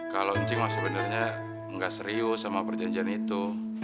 kalau cing mah sebenarnya nggak serius sama perjanjian itu